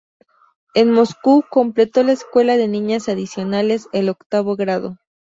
En Moscú completó la escuela de niñas adicionales, el octavo grado.